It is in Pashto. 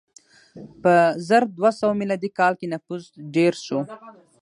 په زر دوه سوه میلادي کال کې نفوس ډېر شو.